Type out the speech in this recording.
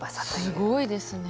すごいですね。